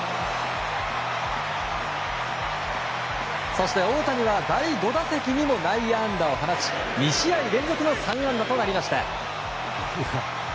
そして大谷は第５打席にも内野安打を放ち２試合連続の３安打となりました。